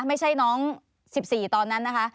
ไม่ใช่น้อง๑๔ตอนนั้นนะคะ